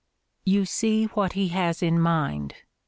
You see what he has in mind.